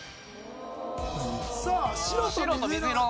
さあ白と水色。